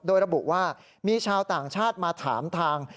โดยระบุว่ามีชาวต่างชาติมาถามทาง